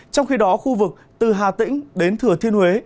trong khi đó khu vực từ hà tĩnh đến thừa thiên huế